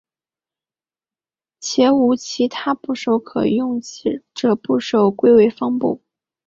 且无其他部首可用者将部首归为方部。